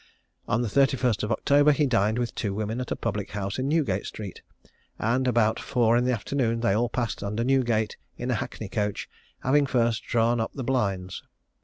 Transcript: On the 31st of October he dined with two women at a public house in Newgate street, and about four in the afternoon they all passed under Newgate in a hackney coach, having first drawn up the blinds.